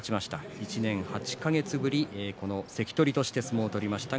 １年８か月ぶり関取として相撲を取りました。